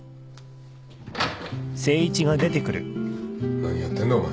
何やってんだお前。